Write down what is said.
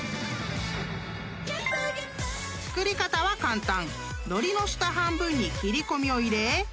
［作り方は簡単］